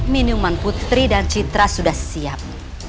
minuman putri dan citra sudah siap